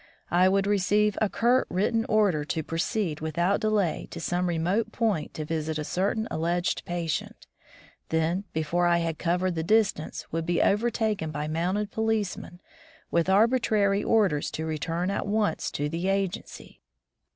I would receive a curt written order to proceed without delay to some remote point to visit a certain alleged patient; then, before I had covered the distance, would be overtaken by a mounted policeman with arbitrary orders to return at once to the agency.